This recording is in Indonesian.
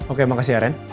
oke makasih ya ren